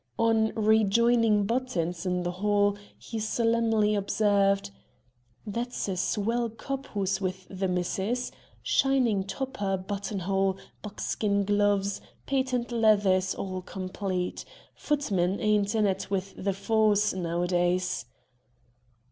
On rejoining Buttons in the hall he solemnly observed: "That's a swell cop who is with the missus shining topper, button hole, buckskin gloves, patent leathers, all complete. Footmen ain't in it with the force, nowadays."